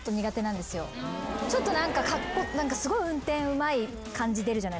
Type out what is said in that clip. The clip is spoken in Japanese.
何かすごい運転うまい感じ出るじゃないですか。